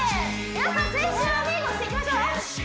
皆さん「青春アミーゴ」していきましょう！